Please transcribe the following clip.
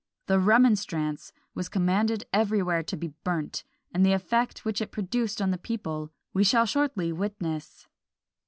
The "Remonstrance" was commanded everywhere to be burnt; and the effect which it produced on the people we shall shortly witness.